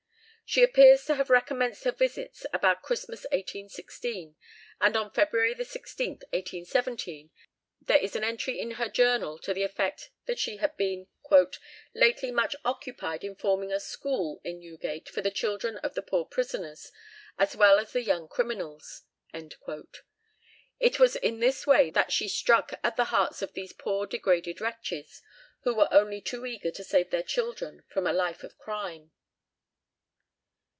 She appears to have recommenced her visits about Christmas 1816, and on Feb. 16th, 1817, there is an entry in her journal to the effect that she had been "lately much occupied in forming a school in Newgate for the children of the poor prisoners, as well as the young criminals." It was in this way that she struck at the hearts of these poor degraded wretches, who were only too eager to save their children from a life of crime.